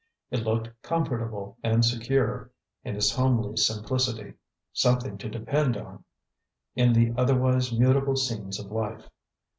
It looked comfortable and secure, in its homely simplicity; something to depend on in the otherwise mutable scenes of life.